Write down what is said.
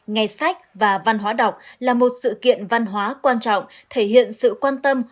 ngày sách và văn hóa đọc là một sự kiện văn hóa quan trọng thể hiện sự quan tâm